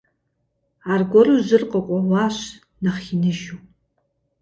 Аргуэру жьыр къыкъуэуащ, нэхъ иныжу.